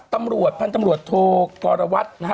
ตำรวจพันธุ์ตำรวจโทกรวัตรนะฮะ